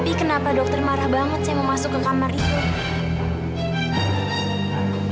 tapi kenapa dokter marah banget saya mau masuk ke kamar itu